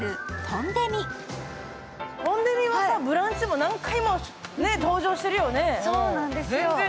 トンデミは「ブランチ」に何回も登場してるよね。